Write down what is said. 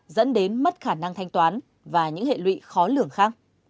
dẫn đến mất khả năng thanh toán và những hệ lụy khó lường khác